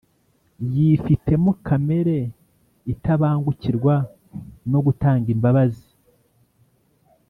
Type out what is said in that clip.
yifitemo kamere itabangukirwa no gutangaimbabazi